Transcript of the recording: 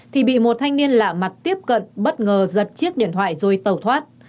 thì bị một thanh niên lạ mặt tiếp cận bất ngờ giật chiếc điện thoại rồi tàu thoát